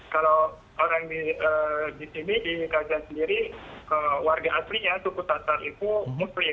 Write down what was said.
kalau orang di sini di gaza sendiri warga aslinya suku tatar itu muslim